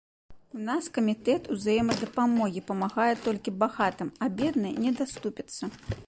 У нас камітэт узаемадапамогі памагае толькі багатым, а бедны не даступіцца.